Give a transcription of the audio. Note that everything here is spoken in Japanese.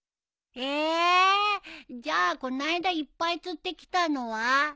ええじゃあこの間いっぱい釣ってきたのは？